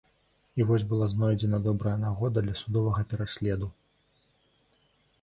І вось была знойдзена добрая нагода для судовага пераследу.